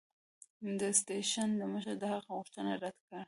د سټېشن مشر د هغه غوښتنه رد کړه.